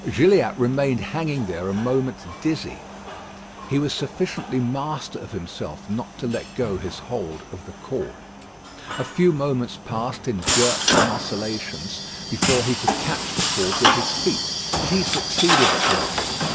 Gilliatt remained hanging there a moment dizzy. He was sufficiently master of himself not to let go his hold of the cord. A few moments passed in jerks and oscillations before he could catch the cord with his feet; but he succeeded at last.